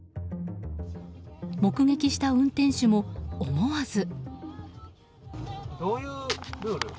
目撃した運転手も思わず。